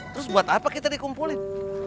terus buat apa kita dikumpulin